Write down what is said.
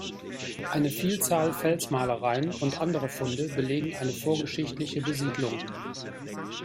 Eine Vielzahl Felsmalereien und andere Funde belegen eine vorgeschichtliche Besiedlung.